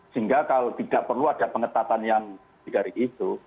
sehingga kalau tidak perlu ada pengetatan yang lebih dari itu